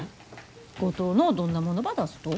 五島のどんなものば出すと？